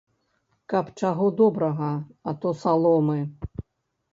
Каб чаго добрага, а то саломы!